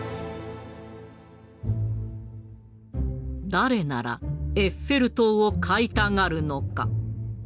誰ならエッフェル塔を買いたがるのか？